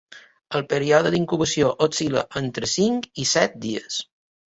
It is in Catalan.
El període d’incubació oscil·la entre cinc i set dies.